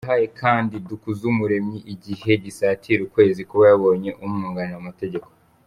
Yahaye kandi Dukuzumuremyi igihe gisatira ukwezi kuba yabonye umwunganira mu mategeko.